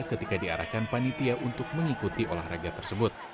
ketika diarahkan panitia untuk mengikuti olahraga tersebut